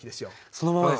そのままですね。